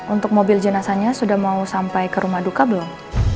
untuk mobil jenazahnya sudah mau sampai ke rumah duka belum